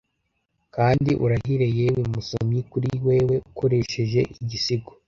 Kandi urahire yewe musomyi kuri wewe ukoresheje igisigo